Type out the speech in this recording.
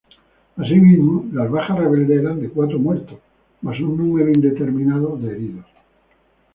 Asimismo, las bajas rebeldes eran de cuatro muertos, más un número indeterminado de heridos.